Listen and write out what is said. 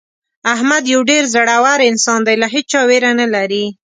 احمد یو ډېر زړور انسان دی له هېچا ویره نه لري.